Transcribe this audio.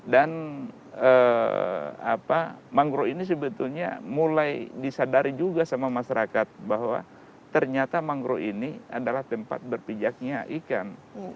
dan mangrove ini sebetulnya mulai disadari juga sama masyarakat bahwa ternyata mangrove ini adalah tempat berpijaknya ikan